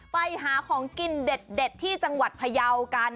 ไปหาของกินเด็ดที่จังหวัดพยาวกัน